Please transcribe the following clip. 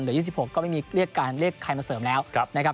หรือยี่สิบหกก็ไม่มีเรียกการเรียกใครมาเสริมแล้วครับนะครับ